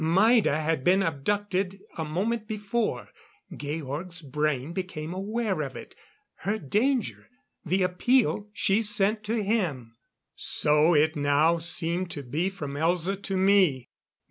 Maida had been abducted a moment before. Georg's brain became aware of it. Her danger, the appeal she sent to him. So it now seemed to be from Elza to me.